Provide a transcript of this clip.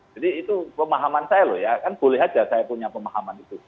jadi itu pemahaman saya loh ya kan boleh aja saya punya pemahaman itu